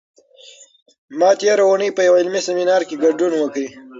ما تېره اونۍ په یوه علمي سیمینار کې ګډون وکړ.